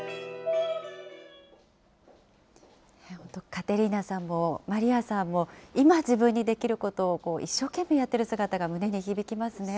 カテリーナさんも、マリヤさんも、今、自分にできることを一生懸命やってる姿が胸に響きますね。